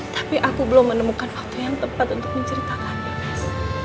tapi aku belum menemukan waktu yang tepat untuk menceritakannya mas